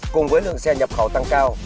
cùng với lượng xe nhập khẩu tăng cao